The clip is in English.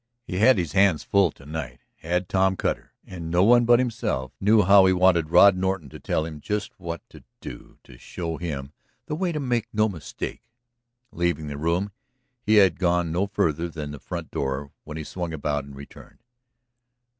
He had his hands full to night, had Tom Cutter, and no one but himself knew how he wanted Rod Norton to tell him just what to do, to show him the way to make no mistake. Leaving the room he had gone no farther than the front door when he swung about and returned.